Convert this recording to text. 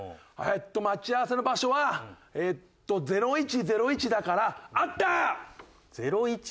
えっと待ち合わせの場所はえっと「０１０１」だからあった！